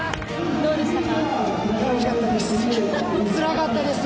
どうでしたか？